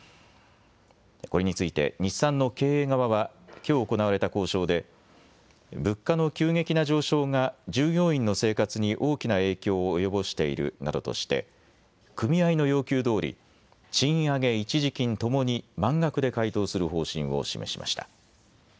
これについて日産の経営側はきょう行われた交渉で物価の急激な上昇が従業員の生活に大きな影響を及ぼしているなどとして組合の要求どおり賃上げ、一時金ともに満額で回答する方針を示しました。